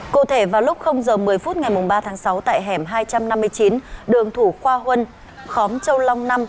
cụ thể vào lúc giờ một mươi phút ngày ba tháng sáu tại hẻm hai trăm năm mươi chín đường thủ khoa huân khóm châu long năm